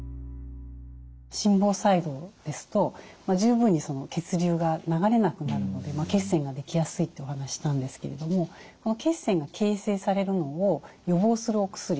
心房細動ですと十分に血流が流れなくなるので血栓ができやすいってお話したんですけれどもこの血栓が形成されるのを予防するお薬。